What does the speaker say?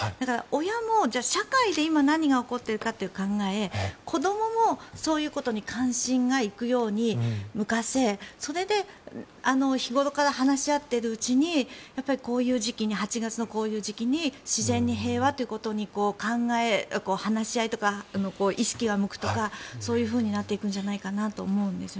親も社会で今何が起こっているかと考え子どもも、そういうことに関心が行くように、向かせそれで、日頃から話し合っているうちに８月のこういう時期に自然に平和ということを考え、話し合いとか意識が向くとかそういうふうになっていくんじゃないかなと思うんです。